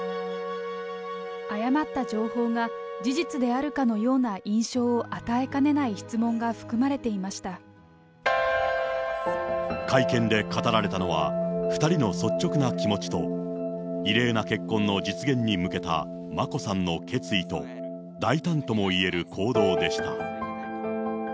誤った情報が事実であるかのような印象を与えかねない質問が会見で語られたのは、２人の率直な気持ちと、異例な結婚の実現に向けた眞子さんの決意と、大胆ともいえる行動でした。